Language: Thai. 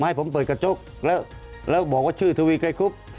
ให้ผมเปิดกระจกแล้วบอกว่าชื่อทวีไกรคุบ